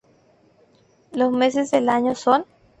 Los meses del año son:-